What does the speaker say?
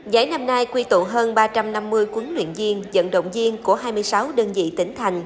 giải năm nay quy tụ hơn ba trăm năm mươi quấn luyện viên dẫn động viên của hai mươi sáu đơn vị tỉnh thành